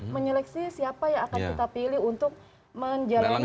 menyeleksi siapa yang akan kita pilih untuk menjalani